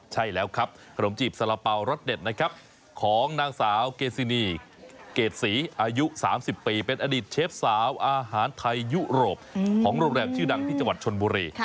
ใช่แล้วครับขนมจีบสารเป๋ารสเด็ดนะครับของนางสาวเกซินีเกรดศรีอายุ๓๐ปีเป็นอดีตเชฟสาวอาหารไทยยุโรปของโรงแรมชื่อดังที่จังหวัดชนบุรี